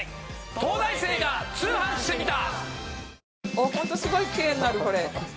『東大生が通販してみた！！』。